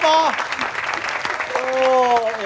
โอ้โห